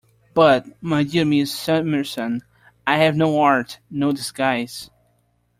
But, my dear Miss Summerson, I have no art, no disguise.